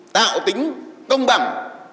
tạo tính công bằng